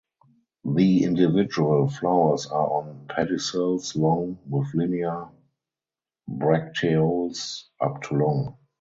The individual flowers are on pedicels long with linear bracteoles up to long.